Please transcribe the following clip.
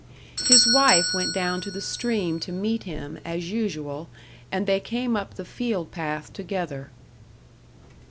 His wife went down to the stream to meet him, as usual, and they came up the field path together.